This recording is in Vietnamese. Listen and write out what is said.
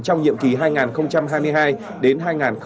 trong nhiệm kỳ hai nghìn hai mươi hai đến hai nghìn hai mươi năm